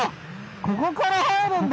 ここから入るんだ！